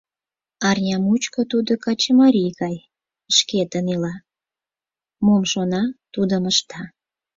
Арня мучко тудо качымарий гай шкетын ила, мом шона, тудым ышта.